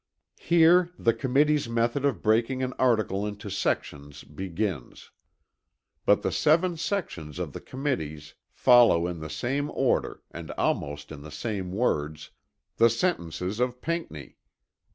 Here the Committee's method of breaking an article into sections begins. But the seven sections of the Committee's follow in the same order and almost in the same words, the sentences of Pinckney.